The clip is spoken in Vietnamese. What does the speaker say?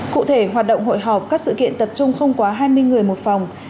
cụ thể hoạt động hội họp các sự kiện tập trung không quá hai mươi người một phòng